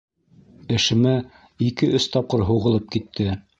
Эшемә ике-өс тапҡыр һуғылып китте.